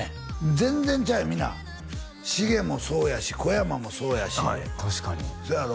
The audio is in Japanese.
全然ちゃうやんみなシゲもそうやし小山もそうやし確かにそうやろ？